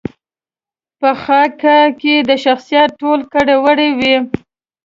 په خاکه کې د شخصیت ټول کړه وړه وي.